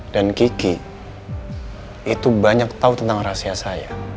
dan kiki itu banyak tahu tentang rahasia saya